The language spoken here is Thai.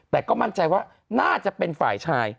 แต่ก็มั่นใจว่าน่าจะเป็นฝ่ายชาย